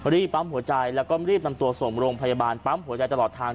ปั๊มหัวใจแล้วก็รีบนำตัวส่งโรงพยาบาลปั๊มหัวใจตลอดทาง